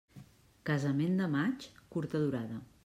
Casament de maig, curta durada.